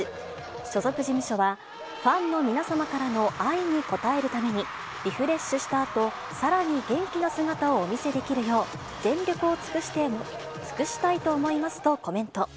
所属事務所は、ファンの皆様からの愛に応えるために、リフレッシュしたあと、さらに元気な姿をお見せできるよう、全力を尽くしたいと思いますと、コメント。